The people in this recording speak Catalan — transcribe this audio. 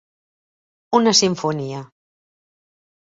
Una simfonia